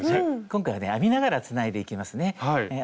今回は編みながらつないでいきますね。